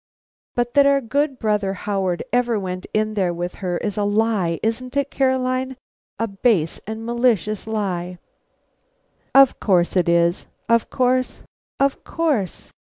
But that our good brother Howard ever went in there with her is a lie, isn't it, Caroline? a base and malicious lie?" "Of course it is, of course, of course.